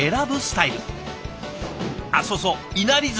あっそうそういなりずし。